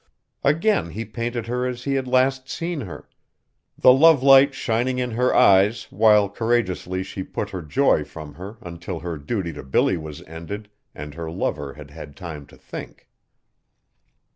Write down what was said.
Again he painted her as he had last seen her. The love light shining in her eyes while courageously she put her joy from her until her duty to Billy was ended, and her lover had had time to think.